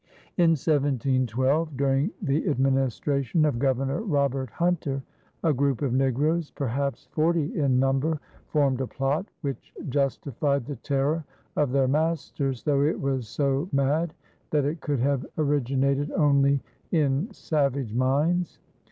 In 1712, during the Administration of Governor Robert Hunter, a group of negroes, perhaps forty in number, formed a plot which justified the terror of their masters, though it was so mad that it could have originated only in savage minds.